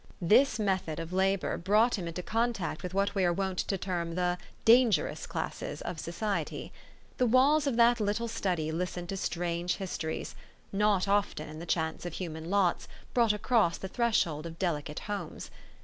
This method of labor brought him into contact with what we are wont to term the " dangerous classes " of society. The walls of that little study listened to strange histories, not often, in the chance of hu man lots, brought across the threshold of delicate homes.